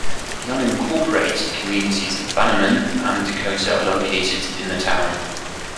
The unincorporated communities of Bannerman and Dakota are located in the town.